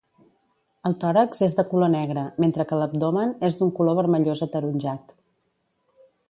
El tòrax és de color negre, mentre que l'abdomen és d'un color vermellós ataronjat.